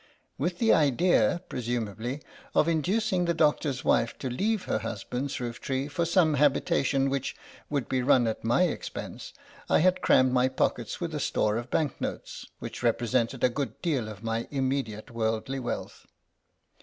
With the idea, presumably, of inducing the doctor's wife to leave her husband's roof tree for some habitation which would be run at my expense, I had crammed my pockets with a store of banknotes, which represented a good deal of my immediate worldly wealth.